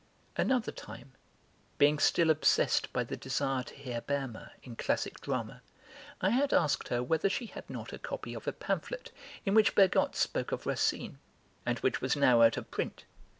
Another time, being still obsessed by the desire to hear Berma in classic drama, I had asked her whether she had not a copy of a pamphlet in which Bergotte spoke of Racine, and which was now out of print.